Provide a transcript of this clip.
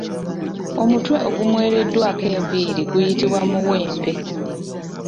Omutwe ogumwereddwako enviiri guyitibwa muwempe.